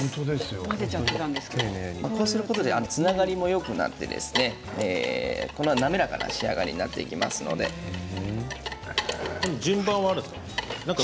こうすることでつながりもよくなって滑らかな仕上がりに順番はあるんですか？